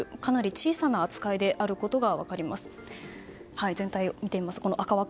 小さな扱いであることが分かります。